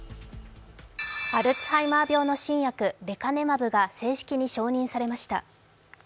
アルツハイマー病の新薬レカネマブが正式に承認されました。